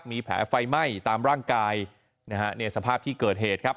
มีแผลไฟไม่ตามร่างกายในสภาพที่เกิดเหตุครับ